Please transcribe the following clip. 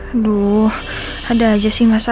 aduh ada aja sih masa